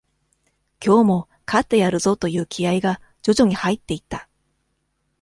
今日も勝ってやるぞという気合が、徐々に入っていった。